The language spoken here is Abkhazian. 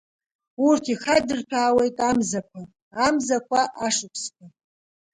Урҭ ихадырҭәаауеит амзақәа, амзақәа ашықәсқәа.